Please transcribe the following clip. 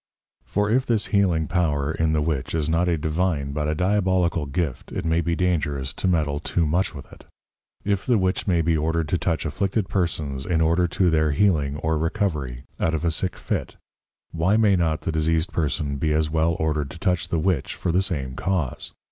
_ For if this healing power in the Witch is not a Divine but a Diabolical Gift, it may be dangerous to meddle too much with it. If the Witch may be ordered to touch afflicted Persons in order to their healing or recovery out of a sick Fit, why may not the Diseased Person be as well ordered to touch the Witch for the same cause?